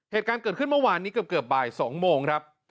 เหตุการณ์เกิดขึ้นเมื่อวานนี้เกือบบ่าย๒โมงครับ